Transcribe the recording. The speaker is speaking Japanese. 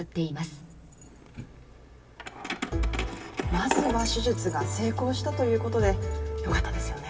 まずは手術が成功したということでよかったですよね。